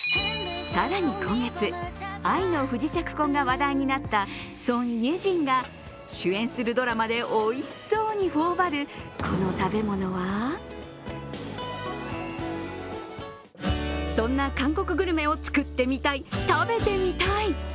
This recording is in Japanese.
更に今月、「愛の不時着」婚が話題になったソン・イェジンが主演するドラマでおいしそうに頬張るこの食べ物はそんな韓国グルメを作ってみたい、食べてみたい！